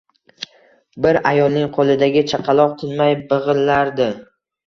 Bir ayolning qo’lidagi chaqaloq tinmay big’illardi.